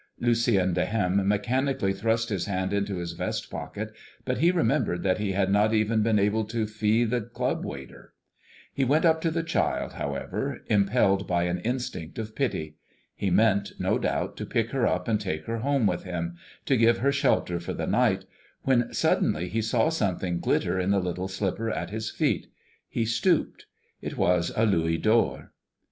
Lucien de Hem mechanically thrust his hand into his vest pocket, but he remembered that he had not even been able to fee the club waiter. He went up to the child, however, impelled by an instinct of pity. He meant, no doubt, to pick her up and take her home with him, to give her shelter for the night, when suddenly he saw something glitter in the little slipper at his feet. He stooped. It was a louis d'or.